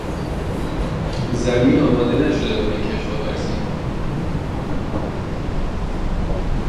زمین آماده نشده برای کشاورزی